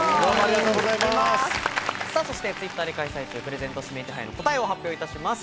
そしてＴｗｉｔｔｅｒで開催中、プレゼント指名手配の答えを発表いたします。